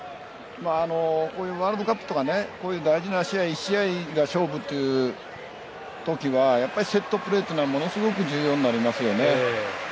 こういうワールドカップとか大事な試合１試合が勝負というときはセットプレーはものすごく重要になりますよね。